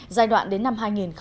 giai đoạn đến năm hai nghìn hai mươi